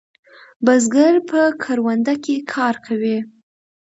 بزگر په کرونده کې کار کوي.